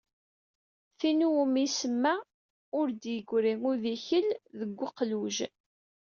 Tin i wumi isemma “Ur d-yeggri udikel deg uqluj."